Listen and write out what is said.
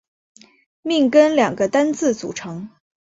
命根两个单字组成。